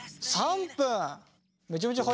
３分？